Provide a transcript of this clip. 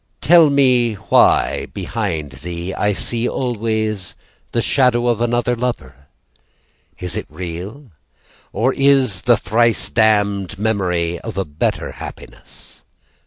Tell me why, behind thee, I see always the shadow of another lover? Is it real, Or is this the thrice damned memory of a better happiness?